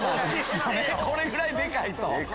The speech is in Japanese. これぐらいでかいと。